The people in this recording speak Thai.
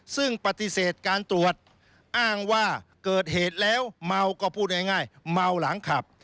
ซึ่งปฏิเสธการตรวจอ้างว่าเกิดเหตุแล้วเมาก็พูดง่ายเมาหลังขับ